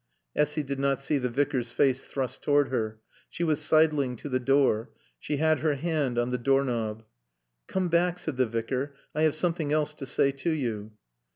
Essy did not see the Vicar's face thrust toward her. She was sidling to the door. She had her hand on the doorknob. "Come back," said the Vicar. "I have something else to say to you."